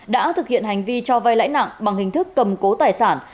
đã thực hiện hành vi cho vay lãi nặng bằng hình thức cầm cố tài sản